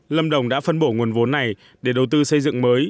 lâm đồng đã phân bổ nguồn vốn này để đầu tư xây dựng mới